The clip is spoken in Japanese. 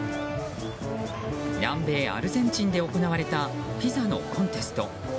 南米アルゼンチンで行われたピザのコンテスト。